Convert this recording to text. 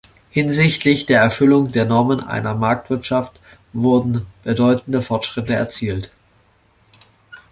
Hinsichtlich der Erfüllung der Normen einer Marktwirtschaft wurden bedeutende Fortschritte erzielt.